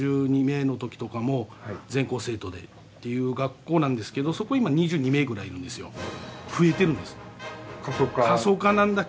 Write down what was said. １２名のときとかも全校生徒でっていう学校なんですけどそこ今２２名ぐらいいるんですよ。